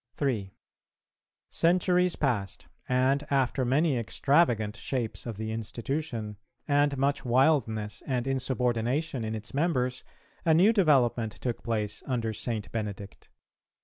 [396:2] 3. Centuries passed, and after many extravagant shapes of the institution, and much wildness and insubordination in its members, a new development took place under St. Benedict.